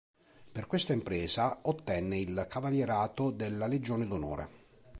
Per questa impresa ottenne il cavalierato della Legione d'Onore.